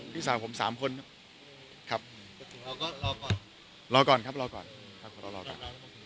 พี่สาวผมสามคนครับเราก็รอก่อนรอก่อนครับรอก่อนครับขอรอก่อน